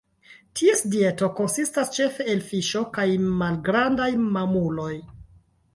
Ties dieto konsistas ĉefe el fiŝo kaj malgrandaj mamuloj.